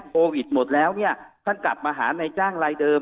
โควิดหมดแล้วเนี่ยท่านกลับมาหานายจ้างลายเดิม